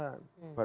badan juga bukan